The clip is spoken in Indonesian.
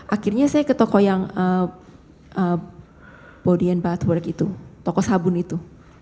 akhirnya saya ke toko yang body and bath work itu toko sabun itu